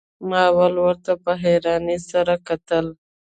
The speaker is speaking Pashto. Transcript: ما اول ورته په حيرانۍ سره کتل.